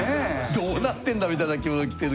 どうなってんだみたいな着物着てる。